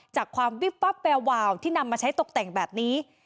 จากความวิบวับแวววาวที่นำมาใช้ตกแต่งแบบนี้